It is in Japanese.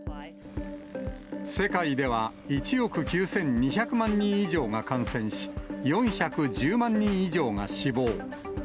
世界では１億９２００万人以上が感染し、４１０万人以上が死亡。